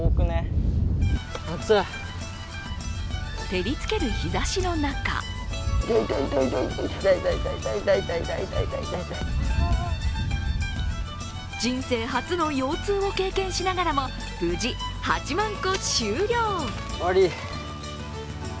照りつける日ざしの中人生初の腰痛を経験しながらも無事、８万個終了。